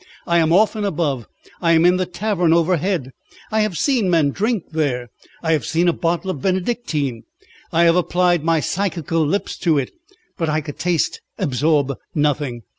I am often above. I am in the tavern overhead. I have seen men drink there. I have seen a bottle of Benedictine. I have applied my psychical lips to it, but I could taste, absorb nothing.